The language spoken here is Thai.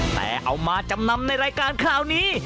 แต่เอามาจำนำในรายการคราวนี้